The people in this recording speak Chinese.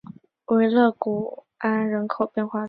维勒古安人口变化图示